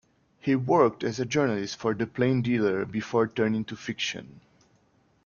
He worked as a journalist for "The Plain Dealer" before turning to fiction.